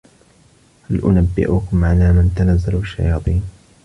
هَل أُنَبِّئُكُم عَلى مَن تَنَزَّلُ الشَّياطينُ